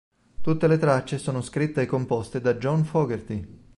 Tutte le tracce sono scritte e composte da John Fogerty.